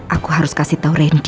aku harus kasih tau renko